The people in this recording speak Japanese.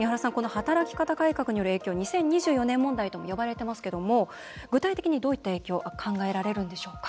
働き方改革による影響は２０２４年問題とも呼ばれてますけども具体的にどういった影響が考えられるんでしょうか。